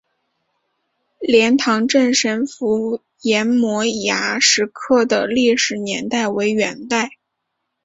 莲塘镇神符岩摩崖石刻的历史年代为元代。